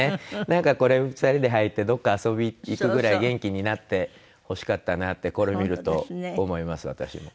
なんかこれ２人で履いてどこか遊びに行くぐらい元気になってほしかったなってこれを見ると思います私も。